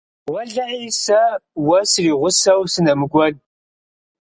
Уэлэхьэ, сэ уэ суригъусэу сынэмыкӀуэн.